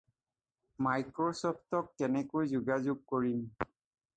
মাইক্ৰ’ছফ্টক কেনেকৈ যোগাযোগ কৰিম?